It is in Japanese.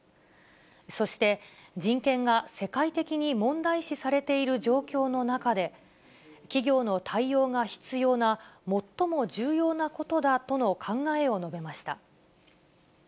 そして、人権が世界的に問題視されている状況の中で、企業の対応が必要な最も重要なことだとの考えを述べました。